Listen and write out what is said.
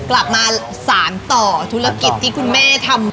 กลับมาสารต่อธุรกิจที่คุณแม่ทำ